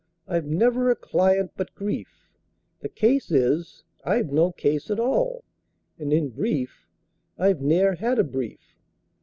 I've never a client but grief: The case is, I've no case at all, And in brief, I've ne'er had a brief!